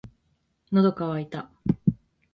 喉乾いた